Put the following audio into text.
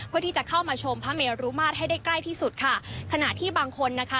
เพื่อที่จะเข้ามาชมพระเมรุมาตรให้ได้ใกล้ที่สุดค่ะขณะที่บางคนนะคะ